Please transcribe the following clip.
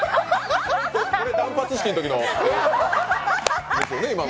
断髪式のときのですよね、今の。